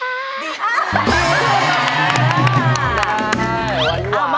อ่าได้๗วันหวานวันหวาน